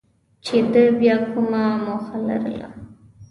چې ده بیا کومه موخه لرله.